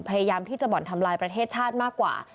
พยายามที่จะบ่อนทำลายประเทศชาติมากกว่า